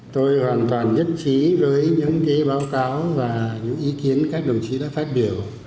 tôi hoàn toàn nhất trí với những báo cáo và những ý kiến các đồng chí đã phát biểu